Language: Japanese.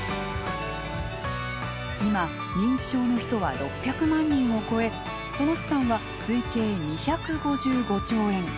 今、認知症の人は６００万人を超えその資産は推計２５５兆円。